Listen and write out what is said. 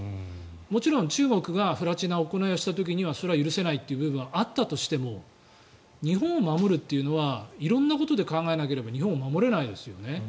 もちろん中国が不埒な行いをした時にはそれは許せないということはあったとしても日本を守るというのは色んなことで考えなければ日本を守れないですよね。